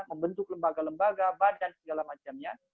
membentuk lembaga lembaga badan dan lain lain